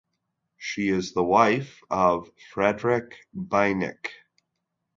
She is the wife of Frederick Beinecke.